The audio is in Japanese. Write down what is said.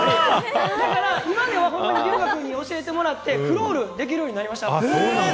だから、今はほんまに龍芽くんに教えてもらって、クロールできるようになりました。